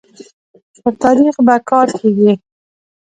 پر تاريخ به کار کيږي